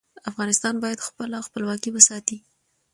افغانستان باید خپله خپلواکي وساتي.